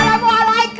nyatua kemana sih